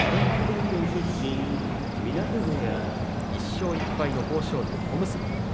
１勝１敗の豊昇龍、小結。